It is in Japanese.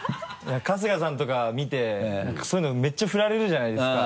春日さんとか見てそういうのめっちゃ振られるじゃないですか。